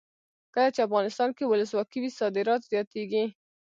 کله چې افغانستان کې ولسواکي وي صادرات زیاتیږي.